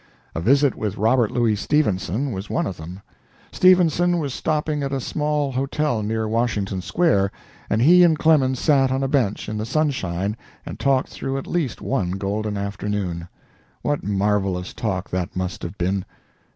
A visit with Robert Louis Stevenson was one of them. Stevenson was stopping at a small hotel near Washington Square, and he and Clemens sat on a bench in the sunshine and talked through at least one golden afternoon. What marvelous talk that must have been!